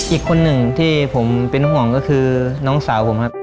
อีกคนหนึ่งที่ผมเป็นห่วงก็คือน้องสาวผมครับ